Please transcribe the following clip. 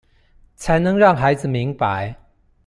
才能讓孩子明白